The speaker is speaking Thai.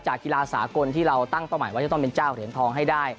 กีฬาสากลที่เราตั้งเป้าหมายว่าจะต้องเป็นเจ้าเหรียญทองให้ได้